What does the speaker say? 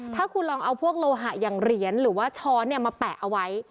ถ้าคุณลองเอาพวกโลหะอย่างเหรียญหรือว่าช้อนมาแปะเอาไว้